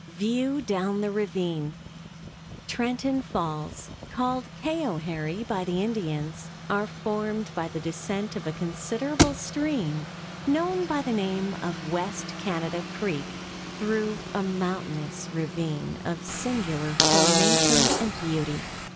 (VIEW DOWN THE RAVINE.) Trenton Falls (called Cayoharie by the Indians) are formed by the descent of a considerable stream, known by the name of West Canada Creek, through a mountainous ravine of singular formation and beauty.